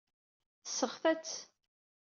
Tesseɣta-tt.